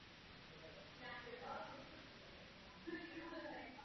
Michael pozval Rogera na hostinu pro vojenské velitele.